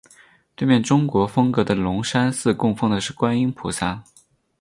对面中国风格的龙山寺供奉的是观音菩萨。